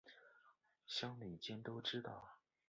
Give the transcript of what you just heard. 乡里间都知道